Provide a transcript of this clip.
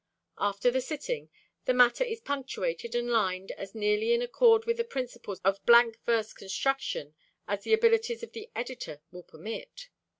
After the sitting, the matter is punctuated and lined as nearly in accord with the principles of blank verse construction as the abilities of the editor will permit.